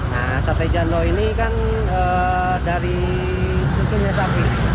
nah sate jando ini kan dari susunya sapi